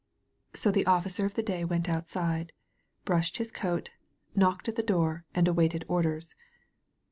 So the Officer of the Day went outside, brushed his coat, knocked at the door, and awaited orders.